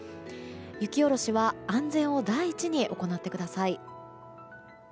雪下ろしは安全を第一に行ってください。